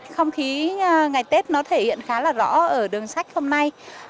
không khí ngày tết nó thể hiện khá là rõ ở đường sách hôm nay